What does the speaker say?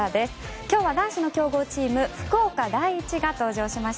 今日は男子の強豪チーム福岡第一が登場しました。